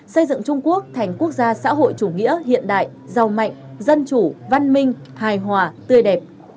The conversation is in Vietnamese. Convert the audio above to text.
xây dựng trung quốc thành quốc gia xã hội chủ nghĩa hiện đại giàu mạnh dân chủ văn minh hài hòa tươi đẹp